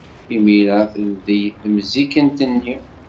Imir-a, teldey temzikkent-nni.